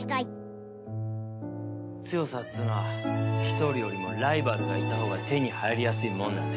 強さっつーのは１人よりもライバルがいたほうが手に入りやすいもんなんだ。